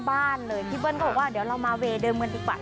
พี่เวิร์ตเขาก็บอกว่าเดี๋ยวเรามาเวเดิมเมืองดีกว่า